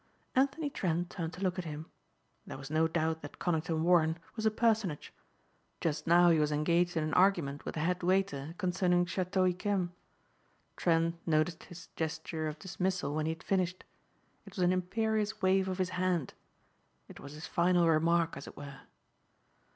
Anthony Trent turned to look at him. There was no doubt that Conington Warren was a personage. Just now he was engaged in an argument with the head waiter concerning Château Y'Quem. Trent noticed his gesture of dismissal when he had finished. It was an imperious wave of his hand. It was his final remark as it were.